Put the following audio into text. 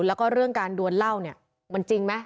แล้วก็เรื่องการดวนเหล้าเนี่ยมันจริงไหม